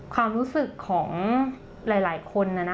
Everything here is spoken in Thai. ความรู้สึกของหลายคน